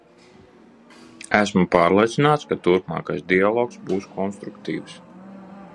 Es esmu pārliecināts, ka turpmākais dialogs būs konstruktīvs.